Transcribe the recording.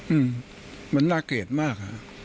อื้มมันน่าเกรียดมาก